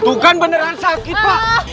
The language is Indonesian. tuh kan beneran sakit pak